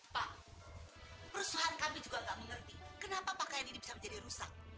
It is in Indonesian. pak perusahaan kami juga tidak mengerti kenapa pakaian ini bisa menjadi rusak